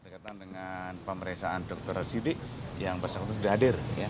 tidak terkait dengan pemeriksaan dr sidik yang bersekutu tidak hadir